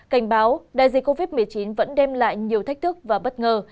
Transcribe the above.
cảnh báo đại dịch covid một mươi chín vẫn đem lại nhiều thách thức và bất ngờ